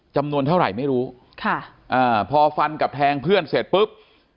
จำนวนเท่าไหร่ไม่รู้ค่ะอ่าพอฟันกับแทงเพื่อนเสร็จปุ๊บ